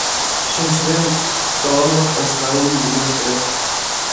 ئۈچىنچىدىن، داۋاملىق ئەستايىدىل ئۆگىنىش كېرەك.